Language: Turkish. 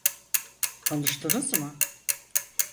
Konuştunuz mu?